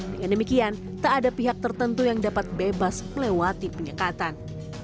dengan demikian tak ada pihak tertentu yang dapat bebas melewati penyekatan